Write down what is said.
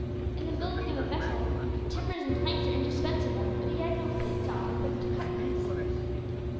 In the building of a vessel, timbers and planks are indispensable, but he had no pit saw wherewith to cut these.